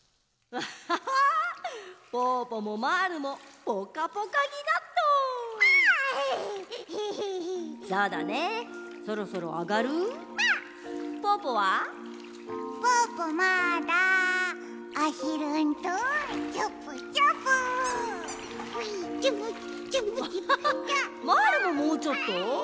アハハまぁるももうちょっと？